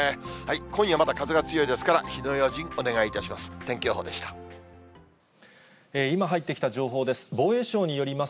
今夜、まだ風が強いですから、火の用心、お願いいたします。